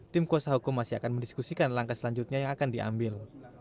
tim kuasa hukum masih akan mendiskusikan langkah selanjutnya yang akan diambil